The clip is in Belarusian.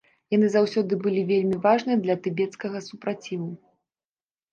Яны заўсёды былі вельмі важныя для тыбецкага супраціву.